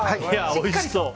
おいしそう。